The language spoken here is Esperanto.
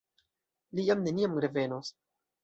Li jam neniam revenos.